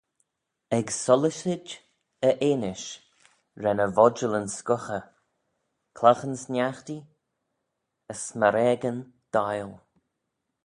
Ec sollyssid e enish ren e vodjallyn scughey: claghyn-sniaghtee, as smarageyn d'aile.